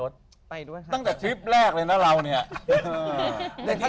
ตั้งแต่ยึดแรกเลยนะเรา